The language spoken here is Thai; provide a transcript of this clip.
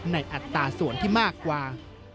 อัตราส่วนที่มากกว่า